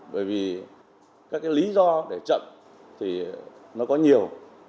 bởi vì các cái lý do để chậm thì nó có nhiều